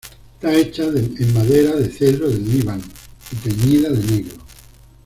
Está hecha en madera de cedro del Líbano y teñida de negro.